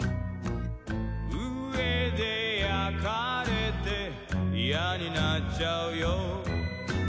「うえでやかれていやになっちゃうよ」